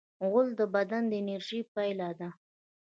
غول د بدن د انرژۍ پایله ده.